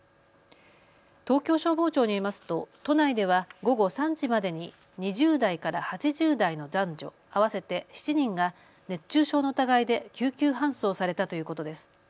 東京消防庁にますと都内では午後３時までに２０代から８０代の男女合わせて７人が熱中症の疑いで救急搬送されたということです。